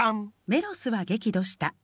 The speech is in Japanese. ・「メロスは激怒した。